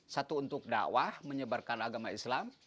satu untuk dakwah menyebarkan agama islam